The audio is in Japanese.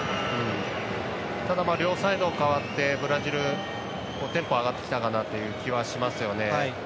ただ両サイド、代わってブラジル、テンポが上がってきたかなという気はしますよね。